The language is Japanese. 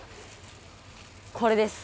これです。